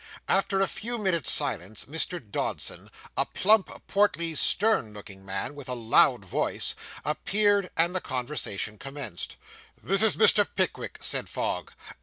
After a few minutes' silence, Mr. Dodson, a plump, portly, stern looking man, with a loud voice, appeared; and the conversation commenced. 'This is Mr. Pickwick,' said Fogg.